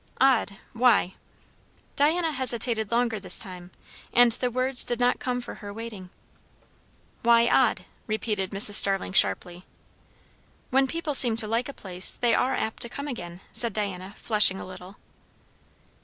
"Odd! why?" Diana hesitated longer this time, and the words did not come for her waiting. "Why odd?" repeated Mrs. Starling sharply. "When people seem to like a place they are apt to come again," said Diana, flushing a little.